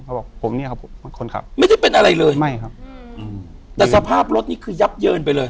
บอกผมเนี่ยครับผมคนขับไม่ได้เป็นอะไรเลยไม่ครับอืมแต่สภาพรถนี่คือยับเยินไปเลย